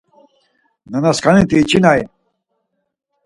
Nanasǩaniti içinay.